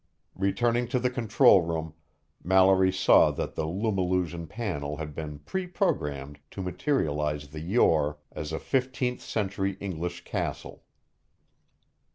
Returning to the control room, Mallory saw that the lumillusion panel had been pre programmed to materialize the Yore as a fifteenth century English castle.